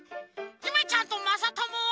ゆめちゃんとまさともは？